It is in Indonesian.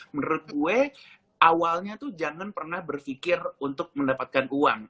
menurut gue awalnya tuh jangan pernah berpikir untuk mendapatkan uang